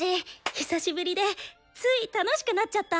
久しぶりでつい楽しくなっちゃった。